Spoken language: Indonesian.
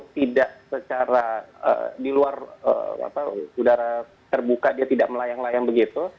tidak secara di luar udara terbuka dia tidak melayang layang begitu